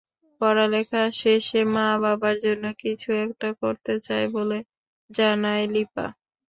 পড়ালেখা শেষে মা-বাবার জন্য কিছু একটা করতে চায় বলে জানায় লিপা।